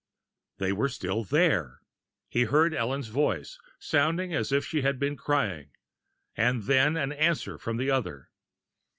They were still there! He heard Ellen's voice, sounding as if she had been crying, and then an answer from the other.